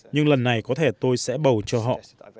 nhưng lần này có thể tôi sẽ bầu cho họ